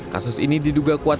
kasus ini diduga kuat